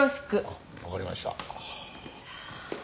あっわかりました。